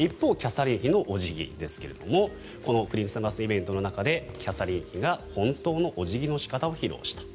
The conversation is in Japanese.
一方、キャサリン妃のお辞儀ですがこのクリスマスイベントの中でキャサリン妃が本当のお辞儀の仕方を披露した。